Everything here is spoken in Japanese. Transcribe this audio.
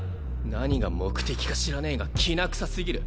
何が目的か知らねぇがきな臭すぎる。